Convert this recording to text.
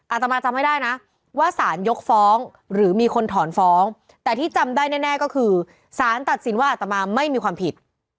อาตมาจำไม่ได้นะว่าสารยกฟ้องหรือมีคนถอนฟ้องแต่ที่จำได้แน่ก็คือสารตัดสินว่าอาตมาไม่มีความผิด